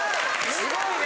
すごいね！